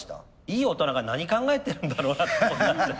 いい大人が何考えてるんだろうなと思って。